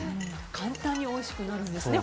簡単においしくなるんですね